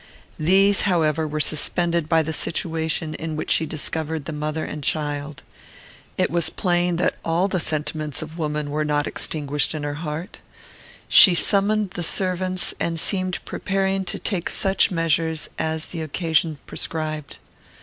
These, however, were suspended by the situation in which she discovered the mother and child. It was plain that all the sentiments of woman were not extinguished in her heart. She summoned the servants and seemed preparing to take such measures as the occasion prescribed.